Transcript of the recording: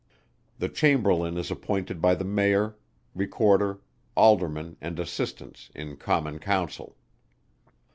The Chamberlain is appointed by the Mayor, Recorder, Aldermen, and Assistants, in Common Council.